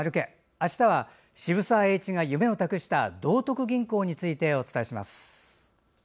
あしたは渋沢栄一が夢を託した道徳銀行についてお伝えします。